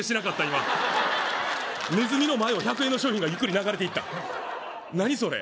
今ネズミの前を１００円の商品がゆっくり流れていった何それ？